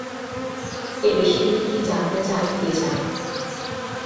এর বেশি তিনি কী জানতে চান কে জানে।